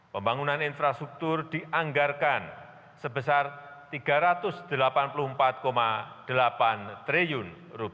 pembangunan infrastruktur dianggarkan sebesar rp tiga ratus delapan puluh empat delapan triliun